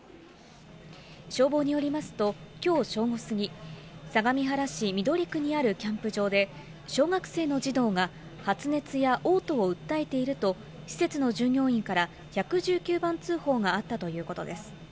消防によりますと、きょう正午過ぎ、相模原市緑区にあるキャンプ場で、小学生の児童が、発熱やおう吐を訴えていると、施設の従業員から１１９番通報があったということです。